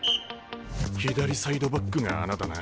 左サイドバックが穴だな。